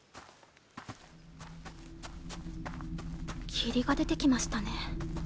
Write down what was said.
霧が出てきましたね。